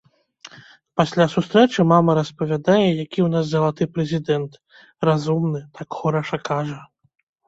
Пасля сустрэчы мама распавядае, які ў нас залаты прэзідэнт, разумны, так хораша кажа.